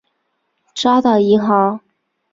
渣打银行。